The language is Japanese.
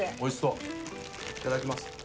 いただきます